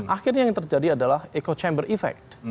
akhirnya yang terjadi adalah echo chamber effect